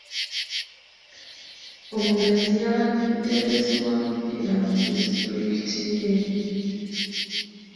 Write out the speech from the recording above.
Omugenzi yabadde mutendesi wa mupiira mu disitulikiti ye.